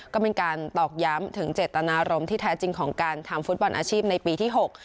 ก็เป็นการตอกย้ำถึงเจตนารมณ์ที่แท้จริงของการทำฟุตบอลอาชีพในปีที่หก